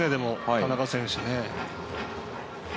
田中選手ね。